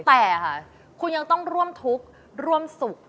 แต่ค่ะคุณยังต้องร่วมทุกข์ร่วมสุข